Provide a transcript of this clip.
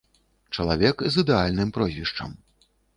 Чалавек з ідэальным прозвішчам.